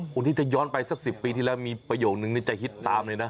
คนที่จะย้อนไปสัก๑๐ปีที่แล้วมีประโยคนึงนี่จะฮิตตามเลยนะ